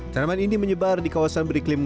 tanaman ini menyebar di kawasan beriklim tropik